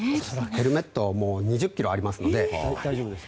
ヘルメットは２０ｋｇありますので。